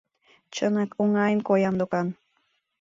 Чынак, оҥайын коям докан.